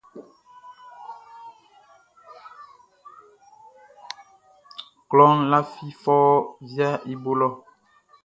Kloʼn lafi fɔuun viaʼn i bo lɔ.